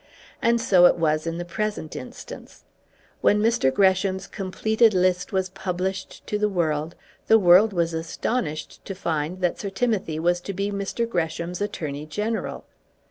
And so it was in the present instance. When Mr. Gresham's completed list was published to the world, the world was astonished to find that Sir Timothy was to be Mr. Gresham's Attorney General.